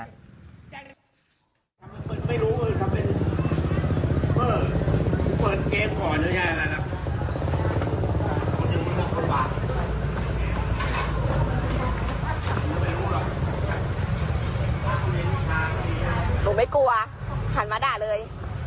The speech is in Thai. ๑๙๑เรียกคนวดมาเลย